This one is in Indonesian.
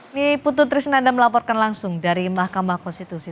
ini putu trisnanda melaporkan langsung dari mahkamah konstitusi